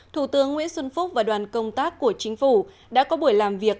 thủ tướng nguyễn xuân phúc và đoàn công tác của chính phủ đã có buổi làm việc